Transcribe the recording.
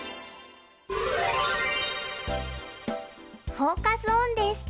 フォーカス・オンです。